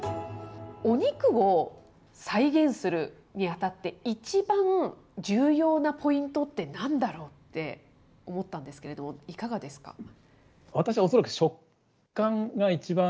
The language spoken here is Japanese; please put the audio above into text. お肉を再現するにあたって、一番重要なポイントってなんだろうって思ったんですけれども、いかがですか？